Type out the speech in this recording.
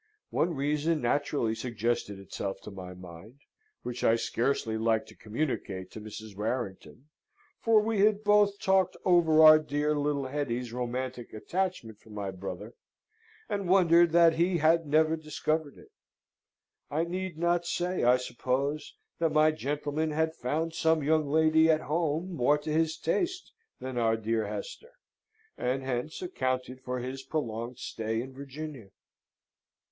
One reason naturally suggested itself to my mind, which I scarcely liked to communicate to Mrs. Warrington; for we had both talked over our dear little Hetty's romantic attachment for my brother, and wondered that he had never discovered it. I need not say, I suppose, that my gentleman had found some young lady at home more to his taste than our dear Hester, and hence accounted for his prolonged stay in Virginia.